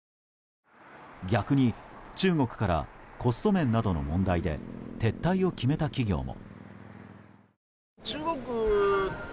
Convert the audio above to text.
逆に、中国からコスト面などの問題で撤退を決めた企業も。